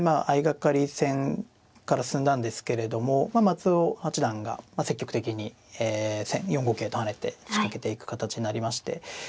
相掛かり戦から進んだんですけれどもまあ松尾八段が積極的に４五桂と跳ねて仕掛けていく形になりまして。